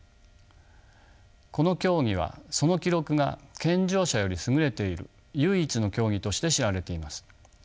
この競技はその記録が健常者より優れている唯一の競技として知られています。